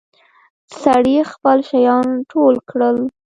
سړي خپل شيان ټول کړل.